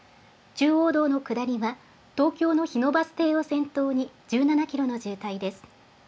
中央道の下りは、東京の日野バス停を先頭に１７キロの渋滞です。